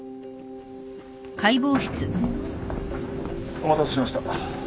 お待たせしました。